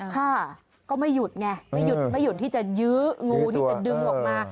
ค่ะก็ไม่หยุดไงไม่หยุดไม่หยุดที่จะยื้องูที่จะดึงออกมา